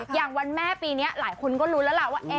อย่างวันแม่ปีนี้หลายคนก็ลุ้นแล้วล่ะว่า